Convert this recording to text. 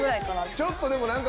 ちょっとでも何か。